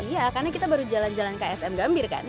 iya karena kita baru jalan jalan ksm gambir kan